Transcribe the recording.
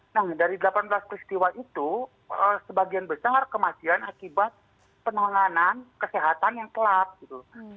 nah dari delapan belas peristiwa itu sebagian besar kematian akibat penanganan kesehatan yang telat gitu